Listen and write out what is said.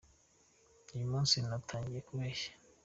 uyumunsi ndatangira kubeshya